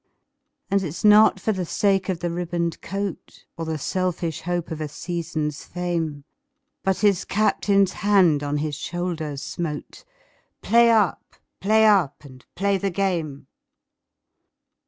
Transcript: And it's not for the sake of a ribboned coat, Or the selfish hope of a season's fame, But his Captain's hand on his shoulder smote "Play up! play up! and play the game!"